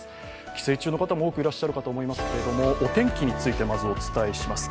帰省中の方も多くいらっしゃると思いますけどお天気について、まずお伝えします